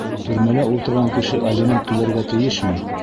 Төрмәлә ултырған кеше алимент түләргә тейешме?